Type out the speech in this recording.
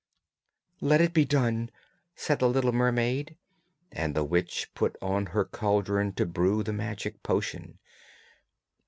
'Let it be done,' said the little mermaid, and the witch put on her caldron to brew the magic potion.